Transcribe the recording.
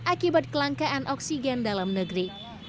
akibat kelangkaan oksigen dalam negeri